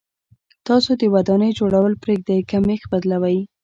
تاسو د ودانۍ جوړول پرېږدئ که مېخ بدلوئ.